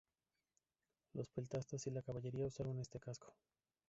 Los peltastas y la caballería usaron este casco.